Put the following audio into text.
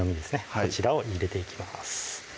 こちらを入れていきます